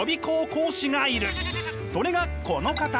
それがこの方！